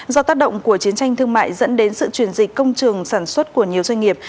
do tác động của chiến tranh thương mại dẫn đến sự chuyển dịch công trường sản xuất của nhiều doanh nghiệp